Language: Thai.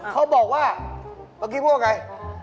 เขาบอกว่าเมื่อกี้พูดว่าไง